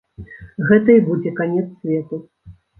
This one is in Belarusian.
Гэта і будзе канец свету.